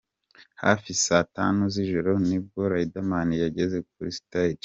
Hafi Saa Tanu z'ijoro ni bwo Riderman yageze kuri stage.